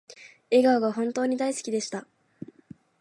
笑顔が本当に大好きでした